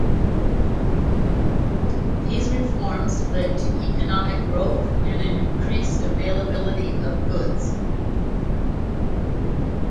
These reforms led to economic growth and an increased availability of goods.